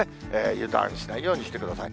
油断しないようにしてください。